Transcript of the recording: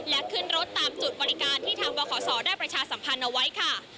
และขึ้นรถตามจุดบริการที่ทางบขศได้ประชาสัมพันธ์เอาไว้ค่ะ